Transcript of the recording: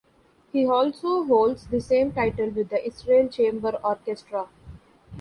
He also holds the same title with the Israel Chamber Orchestra.